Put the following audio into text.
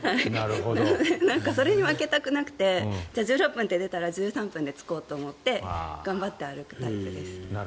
何かそれに負けたくなくてじゃあ１６分って出たら１３分で着こうと思って頑張って歩くタイプです。